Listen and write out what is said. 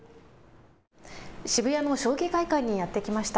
渋谷の将棋会館にやって来ました。